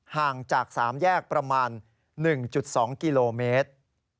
ห่างจาก๓แยกประมาณ๑๒กิโลเมตร